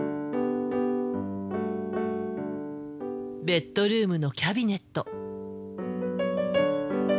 ベッドルームのキャビネット。